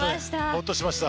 ホッとしました。